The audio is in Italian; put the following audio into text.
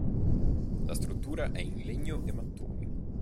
La struttura è in legno e mattoni.